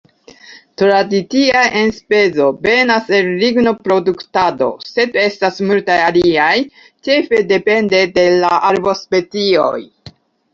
Tradicia enspezo venas el lignoproduktado, sed estas multaj aliaj, ĉefe depende de la arbospecioj.